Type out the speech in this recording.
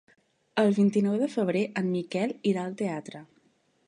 El vint-i-nou de febrer en Miquel irà al teatre.